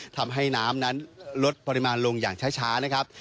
ทำให้น้ำนั้นลดปริมาณลงอย่างช้านะครับ